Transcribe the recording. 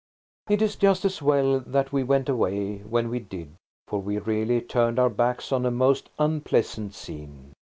It is just as well that we went away when we did, for we really turned our backs on a most unpleasant scene.